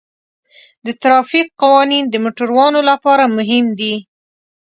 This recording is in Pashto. د ترافیک قوانین د موټروانو لپاره مهم دي.